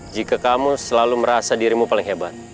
jika kamu selalu merasa dirimu paling hebat